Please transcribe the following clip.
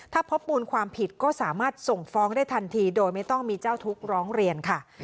ถ้าพบมูลความผิดก็สามารถส่งฟ้องได้ทันทีโดยไม่ต้องมีเจ้าทุกข์ร้องเรียนค่ะ